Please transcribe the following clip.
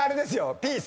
ピース。